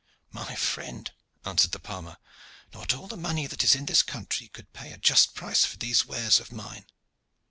"My friend," answered the palmer, "not all the money that is in this country could pay a just price for these wares of mine.